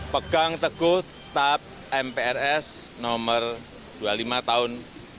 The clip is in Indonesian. pegang teguh tap mprs nomor dua puluh lima tahun